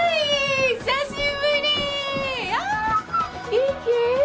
元気？